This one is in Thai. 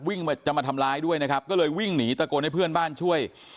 จะมาทำร้ายด้วยนะครับก็เลยวิ่งหนีตะโกนให้เพื่อนบ้านช่วย